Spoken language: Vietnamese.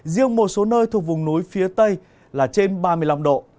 riêng một số nơi thuộc vùng núi phía tây là trên ba mươi năm độ